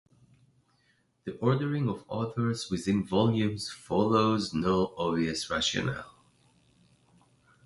The ordering of authors within volumes follows no obvious rationale.